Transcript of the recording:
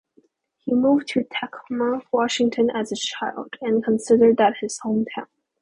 He moved to Tacoma, Washington as a child, and considered that his home town.